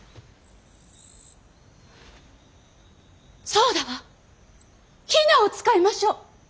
そうだわ比奈を使いましょう。